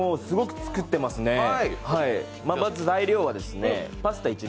すごく作ってますね。